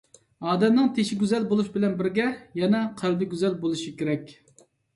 ئادەمنىڭ تېشى گۈزەل بولۇش بىلەن بىرگە يەنە قەلبى گۈزەل بولۇشى كېرەك!